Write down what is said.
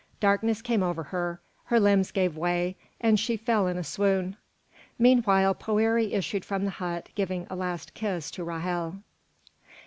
Darkness came over her, her limbs gave way, and she fell in a swoon. Meanwhile Poëri issued from the hut, giving a last kiss to Ra'hel.